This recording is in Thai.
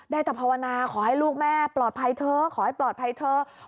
ได้แต่ภาวนาขอให้ลูกแม่ปลอดภัยเถอะขอให้ปลอดภัยเถอะ